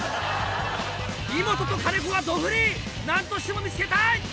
イモトと金子はどフリーなんとしても見つけたい！